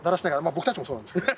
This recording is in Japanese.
僕たちもそうなんですけど。